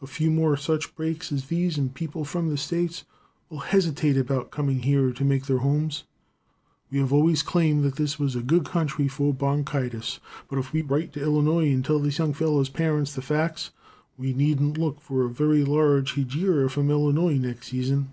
A few more such breaks as these, and people from the States will hesitate about coming here to make their homes. We have always claimed that this was a good country for bronchitis, but if we write to Illinois and tell this young feller's parents the facts, we needn't look for a very large hegira from Illinois next season.